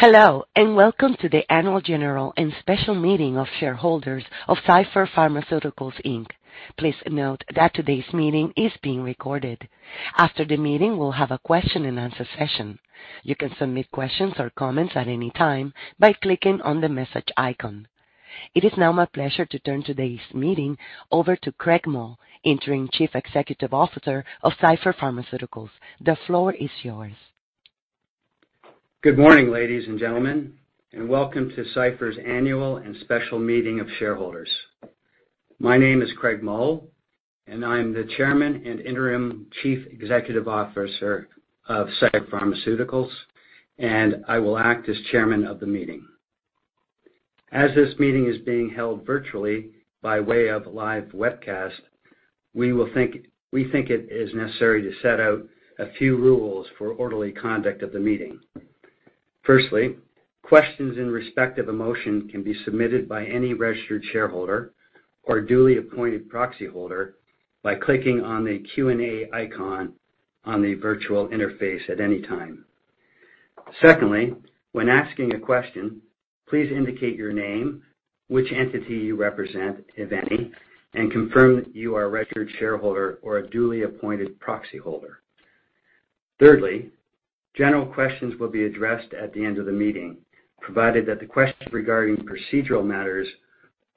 Hello, and welcome to the annual general and special meeting of shareholders of Cipher Pharmaceuticals Inc. Please note that today's meeting is being recorded. After the meeting, we'll have a question-and-answer session. You can submit questions or comments at any time by clicking on the message icon. It is now my pleasure to turn today's meeting over to Craig Mull, Interim Chief Executive Officer of Cipher Pharmaceuticals. The floor is yours. Good morning, ladies and gentlemen, and welcome to Cipher's annual and special meeting of shareholders. My name is Craig Mull, and I'm the Chairman and Interim Chief Executive Officer of Cipher Pharmaceuticals, and I will act as Chairman of the meeting. As this meeting is being held virtually by way of a live webcast, we think it is necessary to set out a few rules for orderly conduct of the meeting. Firstly, questions in respect of a motion can be submitted by any registered shareholder or duly appointed proxy holder by clicking on the Q&A icon on the virtual interface at any time. Secondly, when asking a question, please indicate your name, which entity you represent, if any, and confirm that you are a registered shareholder or a duly appointed proxy holder. Thirdly, general questions will be addressed at the end of the meeting, provided that the questions regarding procedural matters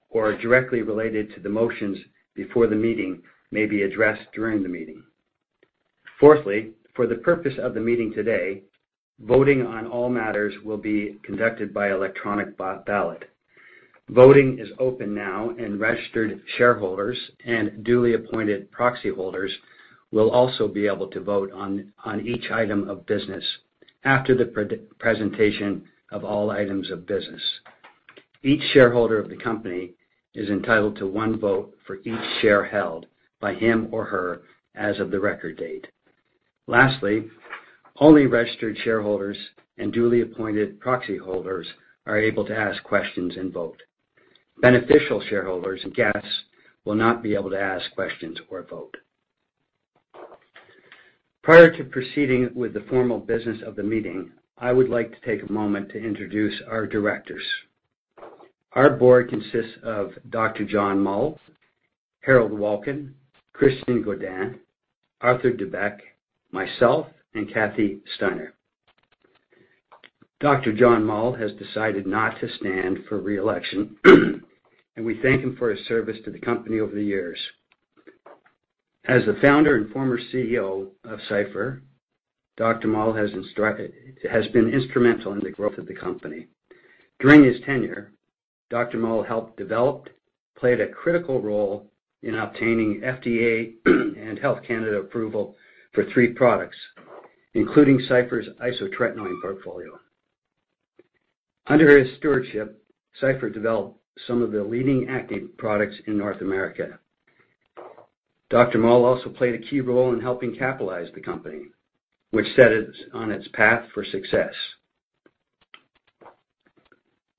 or directly related to the motions before the meeting may be addressed during the meeting. Fourthly, for the purpose of the meeting today, voting on all matters will be conducted by electronic ballot. Voting is open now, and registered shareholders and duly appointed proxy holders will also be able to vote on each item of business after the presentation of all items of business. Each shareholder of the company is entitled to one vote for each share held by him or her as of the record date. Lastly, only registered shareholders and duly appointed proxy holders are able to ask questions and vote. Beneficial shareholders and guests will not be able to ask questions or vote. Prior to proceeding with the formal business of the meeting, I would like to take a moment to introduce our directors. Our board consists of Dr. John Mull, Harold Wolkin, Christian Godin, Arthur DeBoeck, myself, and Cathy Steiner. Dr. John Mull has decided not to stand for reelection, and we thank him for his service to the company over the years. As the founder and former CEO of Cipher, Dr. Mull has been instrumental in the growth of the company. During his tenure, Dr. Mull helped develop, played a critical role in obtaining FDA and Health Canada approval for three products, including Cipher's isotretinoin portfolio. Under his stewardship, Cipher developed some of the leading active products in North America. Dr. Mull also played a key role in helping capitalize the company, which set it on its path for success.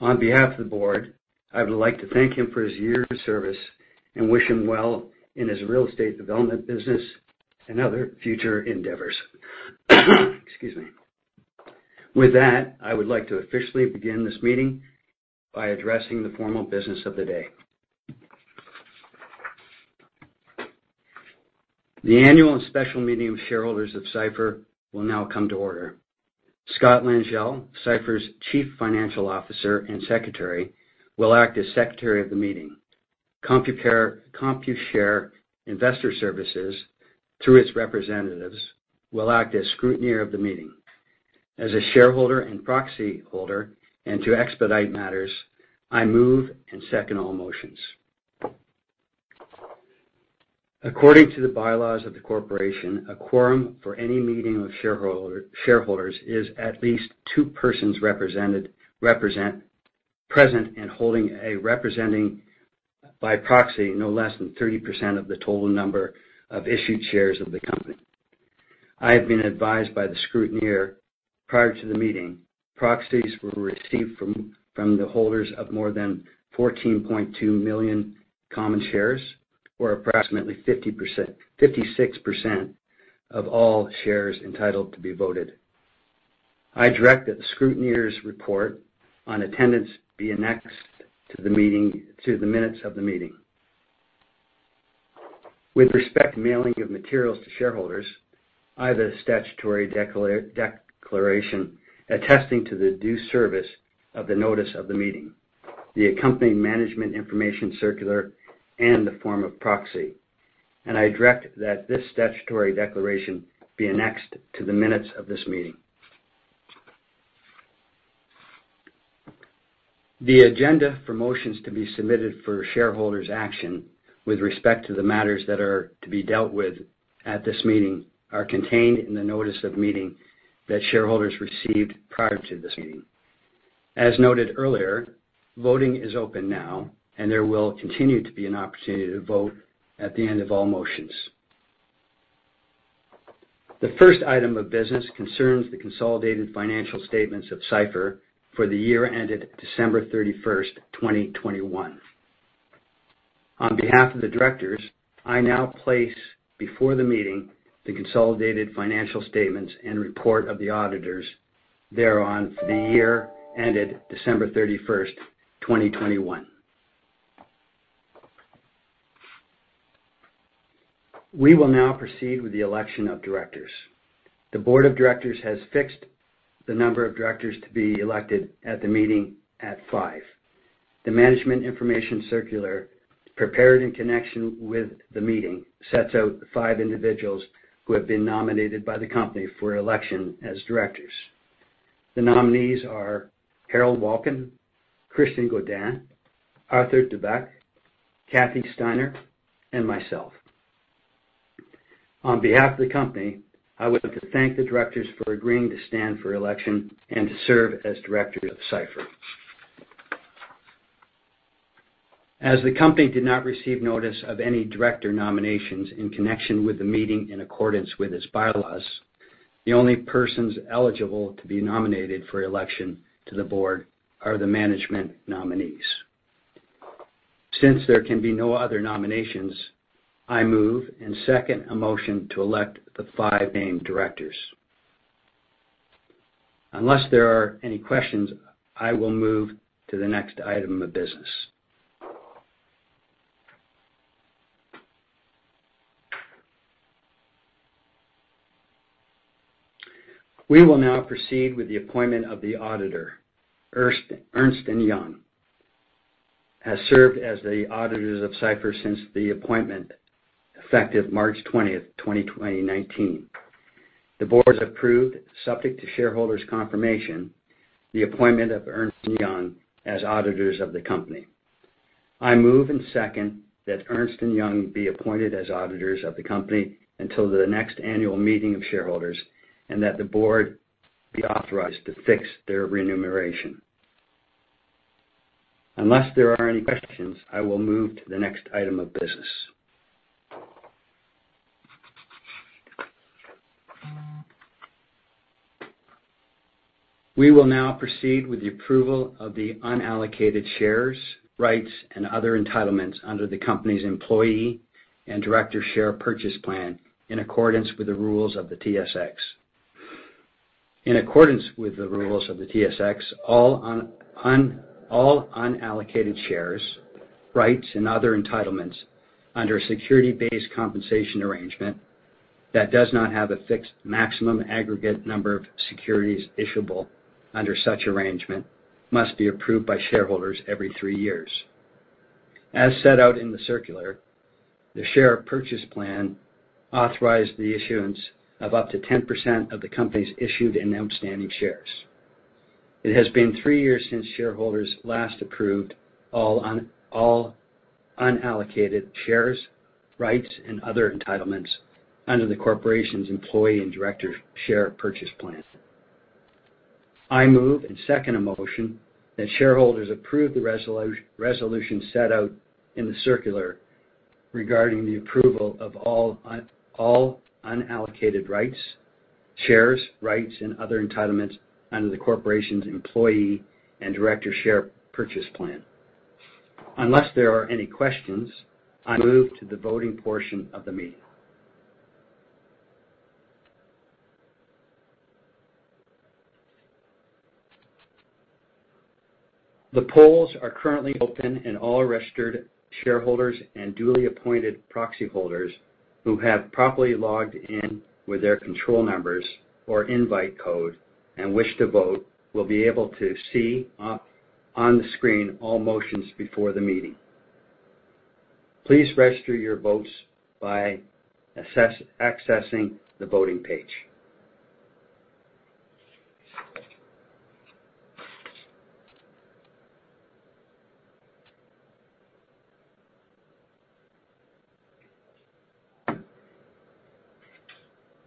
On behalf of the board, I would like to thank him for his years of service and wish him well in his real estate development business and other future endeavors. Excuse me. With that, I would like to officially begin this meeting by addressing the formal business of the day. The annual and special meeting of shareholders of Cipher will now come to order. Scott Langille, Cipher's Chief Financial Officer and Secretary, will act as Secretary of the meeting. Computershare Investor Services, through its representatives, will act as scrutineer of the meeting. As a shareholder and proxy holder and to expedite matters, I move and second all motions. According to the bylaws of the corporation, a quorum for any meeting of shareholders is at least two persons represented, present and holding a representing by proxy no less than 30% of the total number of issued shares of the company. I have been advised by the scrutineer, prior to the meeting, proxies were received from the holders of more than 14.2 million common shares, or approximately 56% of all shares entitled to be voted. I direct that the scrutineer's report on attendance be annexed to the minutes of the meeting. With respect to mailing of materials to shareholders, I have a statutory declaration attesting to the due service of the notice of the meeting, the accompanying management information circular, and the form of proxy, and I direct that this statutory declaration be annexed to the minutes of this meeting. The agenda for motions to be submitted for shareholders' action with respect to the matters that are to be dealt with at this meeting are contained in the notice of meeting that shareholders received prior to this meeting. As noted earlier, voting is open now, and there will continue to be an opportunity to vote at the end of all motions. The first item of business concerns the consolidated financial statements of Cipher for the year ended December 31st, 2021. On behalf of the directors, I now place before the meeting the consolidated financial statements and report of the auditors thereon for the year ended December 31st, 2021. We will now proceed with the election of directors. The board of directors has fixed the number of directors to be elected at the meeting at five. The management information circular, prepared in connection with the meeting, sets out five individuals who have been nominated by the company for election as directors. The nominees are Harold Wolkin, Christian Godin, Arthur Deboeck, Cathy Steiner, and myself. On behalf of the company, I would like to thank the directors for agreeing to stand for election and to serve as directors of Cipher. As the company did not receive notice of any director nominations in connection with the meeting in accordance with its bylaws, the only persons eligible to be nominated for election to the board are the management nominees. Since there can be no other nominations, I move and second a motion to elect the five named directors. Unless there are any questions, I will move to the next item of business. We will now proceed with the appointment of the auditor, Ernst & Young. He has served as the auditor of Cipher since the appointment effective March 20th, 2019. The board has approved, subject to shareholders' confirmation, the appointment of Ernst & Young as auditors of the company. I move and second that Ernst & Young be appointed as auditors of the company until the next annual meeting of shareholders and that the board be authorized to fix their remuneration. Unless there are any questions, I will move to the next item of business. We will now proceed with the approval of the unallocated shares, rights, and other entitlements under the company's Employee and Director Share Purchase Plan in accordance with the rules of the TSX. In accordance with the rules of the TSX, all unallocated shares, rights, and other entitlements under a security-based compensation arrangement that does not have a fixed maximum aggregate number of securities issuable under such arrangement must be approved by shareholders every three years. As set out in the circular, the share purchase plan authorized the issuance of up to 10% of the company's issued and outstanding shares. It has been three years since shareholders last approved all unallocated shares, rights, and other entitlements under the corporation's Employee and Director Share Purchase Plan. I move and second a motion that shareholders approve the resolution set out in the circular regarding the approval of all unallocated rights, shares, rights, and other entitlements under the corporation's Employee and Director Share Purchase Plan. Unless there are any questions, I move to the voting portion of the meeting. The polls are currently open and all registered shareholders and duly appointed proxy holders who have properly logged in with their control numbers or invite code and wish to vote will be able to see on the screen all motions before the meeting. Please register your votes by accessing the voting page.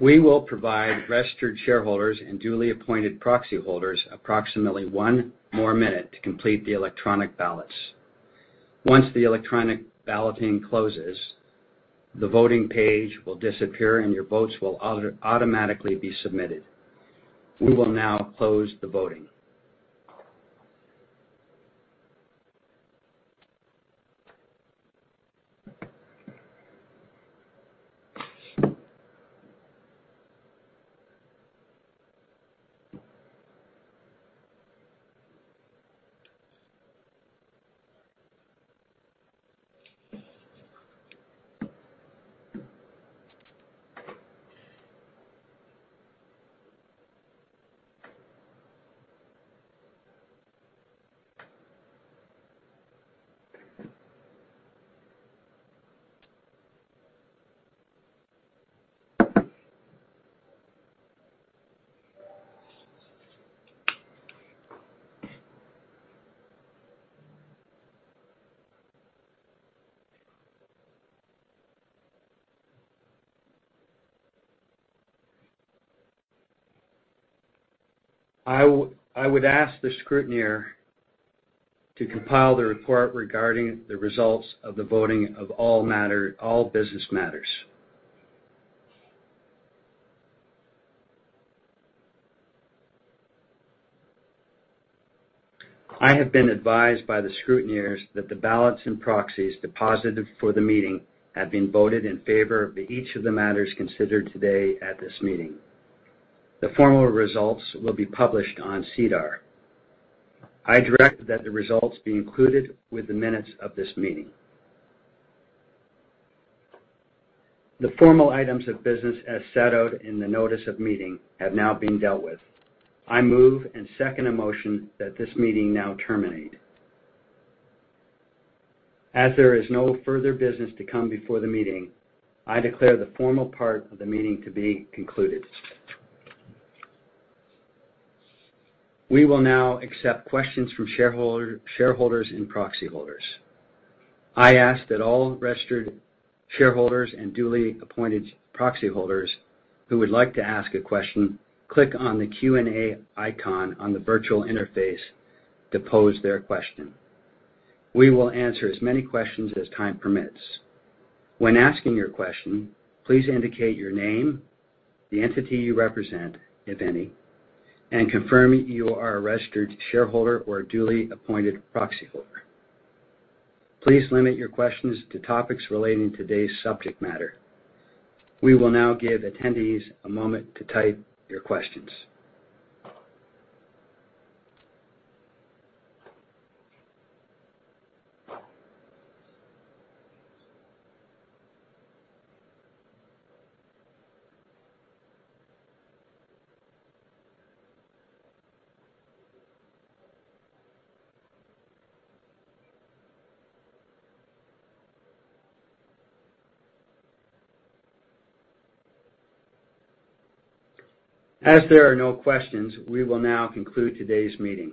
We will provide registered shareholders and duly appointed proxy holders approximately one more minute to complete the electronic ballots. Once the electronic balloting closes, the voting page will disappear and your votes will automatically be submitted. We will now close the voting. I would ask the scrutineer to compile the report regarding the results of the voting of all business matters. I have been advised by the scrutineers that the ballots and proxies deposited for the meeting have been voted in favor of each of the matters considered today at this meeting. The formal results will be published on SEDAR. I direct that the results be included with the minutes of this meeting. The formal items of business as settled in the notice of meeting have now been dealt with. I move and second a motion that this meeting now terminate. As there is no further business to come before the meeting, I declare the formal part of the meeting to be concluded. We will now accept questions from shareholders and proxy holders. I ask that all registered shareholders and duly appointed proxy holders who would like to ask a question click on the Q&A icon on the virtual interface to pose their question. We will answer as many questions as time permits. When asking your question, please indicate your name, the entity you represent, if any, and confirm you are a registered shareholder or duly appointed proxy holder. Please limit your questions to topics relating to today's subject matter. We will now give attendees a moment to type your questions. As there are no questions, we will now conclude today's meeting.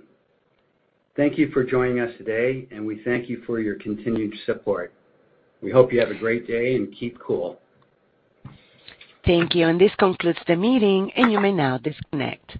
Thank you for joining us today, and we thank you for your continued support. We hope you have a great day and keep cool. Thank you and this concludes the meeting, and you may now disconnect.